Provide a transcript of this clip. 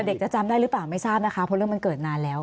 จะจำได้หรือเปล่าไม่ทราบนะคะเพราะเรื่องมันเกิดนานแล้ว